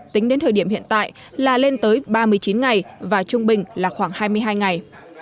tính đến thời điểm hiện tại là lên tới ba mươi chín ngày và trung bình là khoảng hai mươi hai ngày